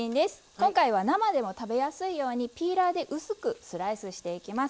今回は、生で食べやすいようにピーラーで薄くスライスしていきます。